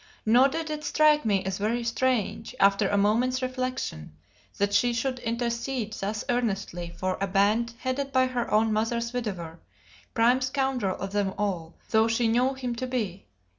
Nor did it strike me as very strange, after a moment's reflection, that she should intercede thus earnestly for a band headed by her own mother's widower, prime scoundrel of them all though she knew him to be.